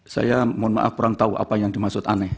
saya mohon maaf kurang tahu apa yang dimaksud aneh